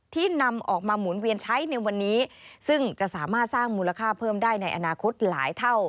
ที่นำออกมาหมุนเวียนใช้ในวันนี้ซึ่งจะสามารถสร้างมูลค่าเพิ่มได้ในอนาคตหลายเท่า